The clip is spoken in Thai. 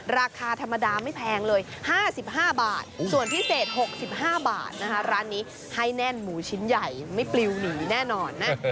ราคาธรรมดาไม่แพงเลย๕๕บาทส่วนพิเศษ๖๕บาทนะคะร้านนี้ให้แน่นหมูชิ้นใหญ่ไม่ปลิวหนีแน่นอนนะ